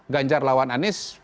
ganjar lawan anis